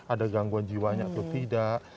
ada gangguan jiwanya atau tidak